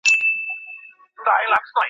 تاسي ولي په ژوند کي د مرګ یاد نه کوئ؟